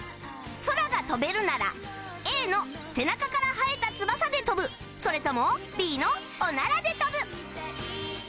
空が飛べるなら Ａ の背中から生えた翼で飛ぶそれとも Ｂ のオナラで飛ぶ